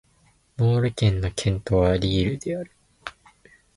ノール県の県都はリールである